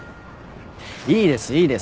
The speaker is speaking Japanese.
いいですいいです。